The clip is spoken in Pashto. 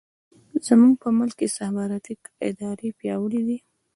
زموږ په ملک کې استخباراتي ادارې پیاوړې دي.